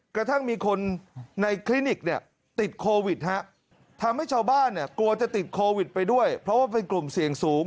กระทั่งมีคนในคลินิกเนี่ยติดโควิดทำให้ชาวบ้านเนี่ยกลัวจะติดโควิดไปด้วยเพราะว่าเป็นกลุ่มเสี่ยงสูง